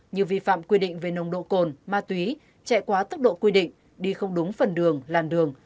như vi phạm quy định về nồng độ cồn ma túy chạy quá tốc độ quy định đi không đúng phần đường làn đường